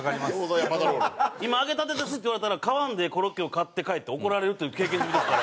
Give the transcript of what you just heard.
「今揚げたてです」って言われたら買わんでええコロッケを買って帰って怒られるという経験済みですから。